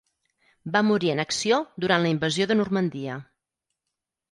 Va morir en acció durant la invasió de Normandia.